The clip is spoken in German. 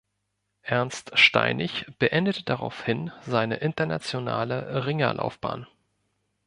Ernst Steinig beendete daraufhin seine internationale Ringerlaufbahn.